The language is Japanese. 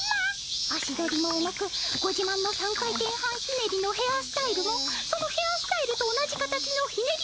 足取りも重くごじまんの３回転半ひねりのヘアスタイルもそのヘアスタイルと同じ形のひねり